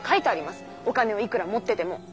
お金をいくら持ってても。